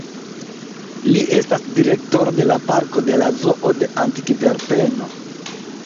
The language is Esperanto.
Li estas direktoro de la parko de la Zoo de Antverpeno.